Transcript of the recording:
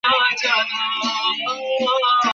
হেমনলিনী কহিল, রমেশবাবু নাই?